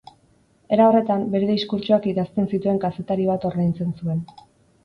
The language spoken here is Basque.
Era horretan, bere diskurtsoak idazten zituen kazetari bat ordaintzen zuen.